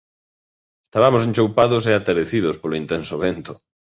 Estabamos enchoupados e aterecidos polo intenso vento.